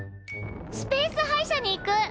スペース歯医者に行く！